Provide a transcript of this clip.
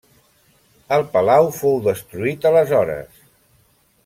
El palau fou destruït aleshores.